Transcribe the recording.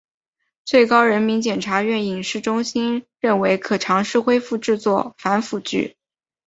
最高人民检察院影视中心认为可尝试恢复制作反腐剧。